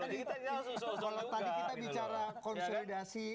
kita bicara konsolidasi